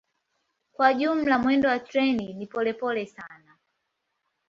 Kwa jumla mwendo wa treni ni polepole sana.